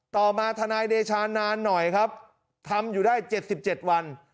ต่อมาทนายเดชานานหน่อยครับทำอยู่ได้๗๗วัน